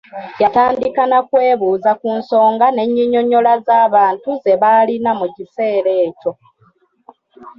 Yatandika n’akwebuuza ku nsonga ne nnyinyonnyola z’abantu ze baalina mu kiseera ekyo.